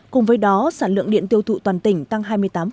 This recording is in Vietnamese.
cùng với đó sản lượng điện tiêu thụ toàn tỉnh tăng hai mươi tám